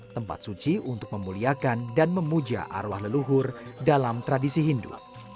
tempat suci untuk memuliakan dan memuja arwah leluhur dalam tradisi hindu